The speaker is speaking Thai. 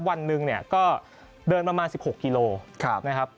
วันหนึ่งเนี่ยก็เดินประมาณ๑๖กิโลนะครับ